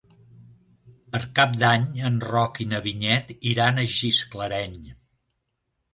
Per Cap d'Any en Roc i na Vinyet iran a Gisclareny.